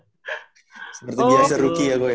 seperti biasa rookie ya gue ya